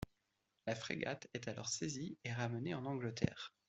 La frégate est alors saisie et ramenée en Angleterre.